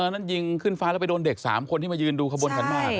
นั่นยิงขึ้นฟ้าแล้วไปโดนเด็ก๓คนที่มายืนดูขบวนขันมาก